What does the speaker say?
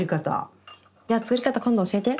じゃあ作り方今度教えて。